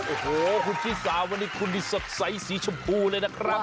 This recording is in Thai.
โอ้โหคุณชิสาวันนี้คุณนี่สดใสสีชมพูเลยนะครับ